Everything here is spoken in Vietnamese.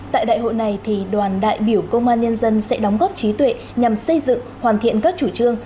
tại đại hội này đoàn đại biểu công an nhân dân sẽ đóng góp trí tuệ nhằm xây dựng hoàn thiện các chủ trương